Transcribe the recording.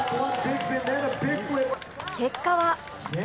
結果は。